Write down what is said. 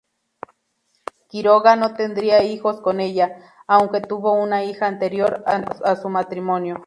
Quiroga no tendría hijos con ella, aunque tuvo una hija anterior a su matrimonio.